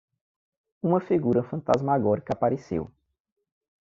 Uma figura fantasmagórica apareceu.